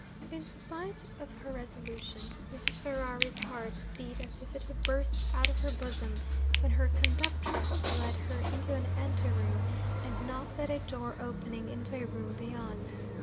In spite of her resolution, Mrs. Ferrari's heart beat as if it would burst out of her bosom, when her conductress led her into an ante room, and knocked at a door opening into a room beyond.